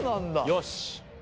よし！